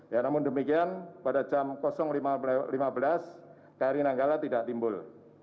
ya namun demikian pada jam lima belas kri nanggala tidak timbul